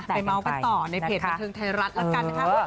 เมาส์กันต่อในเพจบันเทิงไทยรัฐแล้วกันนะคะ